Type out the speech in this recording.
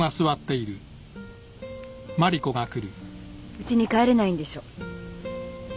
・ウチに帰れないんでしょ？